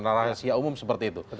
rahasia umum seperti itu